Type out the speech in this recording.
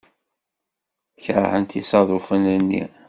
Keṛhent isaḍufen-nni.